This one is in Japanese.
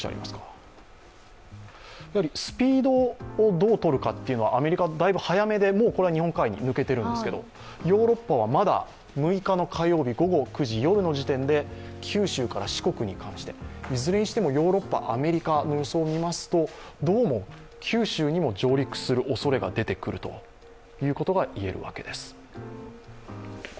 スピードをどうとるかというのは、アメリカはだいぶ早めで、日本海に抜けているんですけど、ヨーロッパはまだ６日の火曜夜９時の時点で、九州から四国に関して、いずれにしても、ヨーロッパ、アメリカの予想を見ますとどうも九州にも上陸するおそれも出てくることが言えるわけです。